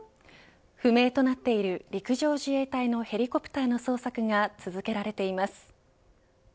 不明となっている陸上自衛隊のヘリコプターの捜索が続けられています。